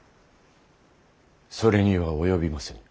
それには及びませぬ。